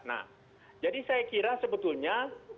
nah jadi saya kira sebetulnya